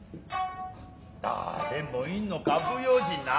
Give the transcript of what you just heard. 誰も居ぬのか不用心な。